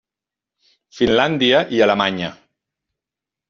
Finlàndia i Alemanya.